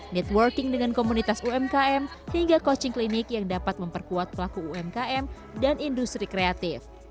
networking dengan komunitas umkm hingga coaching klinik yang dapat memperkuat pelaku umkm dan industri kreatif